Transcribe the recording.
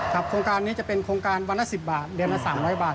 โครงการนี้จะเป็นโครงการวันละ๑๐บาทเดือนละ๓๐๐บาท